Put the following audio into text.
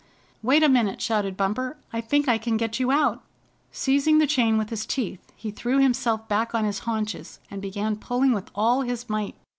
"Wait a minute!" shouted Bumper. "I think I can get you out." Seizing the chain with his teeth, he threw himself back on his haunches, and began pulling with all his might.